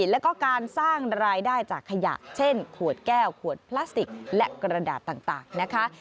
แล้วก็การสร้างรายได้จากขยะเช่นขวดแก้วขวดพลาสติกและกระดาษต่างนะคะ